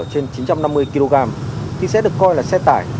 trên chín trăm năm mươi kg thì sẽ được coi là xe tải